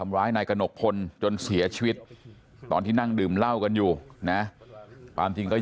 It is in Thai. มาเล่าน่ะสิบลานเนงก็มายังเองก็บอกเอาไปขึ้นมา